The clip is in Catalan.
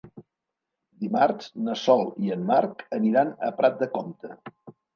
Dimarts na Sol i en Marc aniran a Prat de Comte.